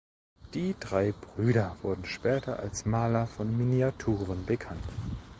Die drei Brüder wurden später als Maler von Miniaturen bekannt.